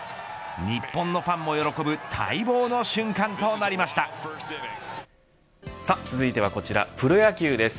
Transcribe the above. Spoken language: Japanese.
日本のファンも喜ぶ続いてはこちらプロ野球です。